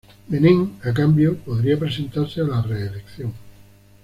Menem, a cambio, podría presentarse a la reelección.